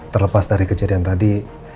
terlepas dari kejadian tadi